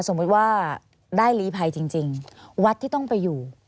สมมุติว่าได้ลีภัยจริงวัดที่ต้องไปอยู่